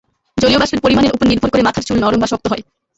জলীয় বাষ্পের পরিমাণের ওপর নির্ভর করে মাথার চুল নরম বা শক্ত হয়।